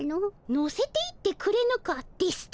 「乗せていってくれぬか」ですと？